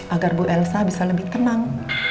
agar bu elsa bisa lebih tenang